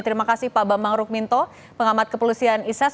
terima kasih pak bang rukminto pengamat kepelusiaan issas